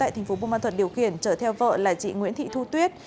tp bồn bản thuật điều khiển chở theo vợ là chị nguyễn thị thu tuyết